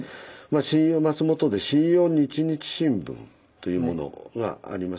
松本で「信陽日日新聞」というものがあります。